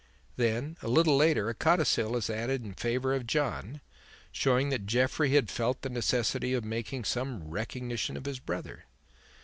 Then, a little later, a codicil is added in favour of John, showing that Jeffrey had felt the necessity of making some recognition of his brother.